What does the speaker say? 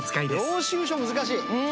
領収書難しい。